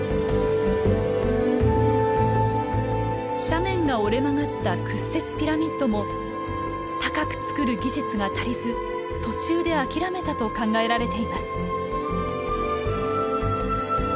斜面が折れ曲がった屈折ピラミッドも高く造る技術が足りず途中で諦めたと考えられています。